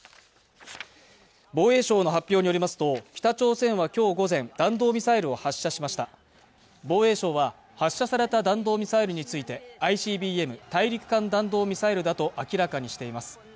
防衛省の発表によりますと北朝鮮は今日午前弾道ミサイルを発射しました防衛省は発射された弾道ミサイルについてＩＣＢＭ＝大陸間弾道ミサイルだと明らかにしています